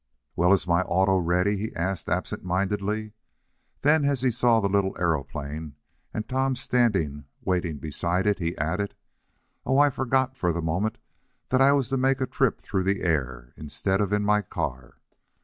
"Well, is my auto ready?" he asked absentmindedly. Then, as he saw the little aeroplane, and Tom standing waiting beside it, he added: "Oh, I forgot for the moment that I was to make a trip through the air, instead of in my car.